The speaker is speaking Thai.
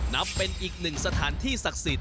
นับเป็นอีกหนึ่งสถานที่ศักดิ์สิทธิ